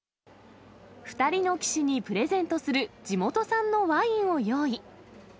２人の棋士にプレゼントする地元産のワインを用意。